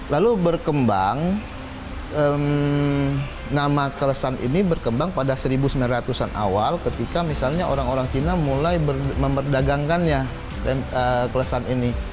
lalu berkembang nama kelesan ini berkembang pada seribu sembilan ratus an awal ketika misalnya orang orang cina mulai memperdagangkannya kelesan ini